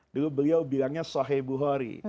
dulu beliau bilangnya sohe buhori